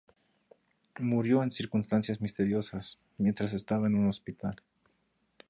Murió en circunstancias misteriosas, mientras estaba en un hospital.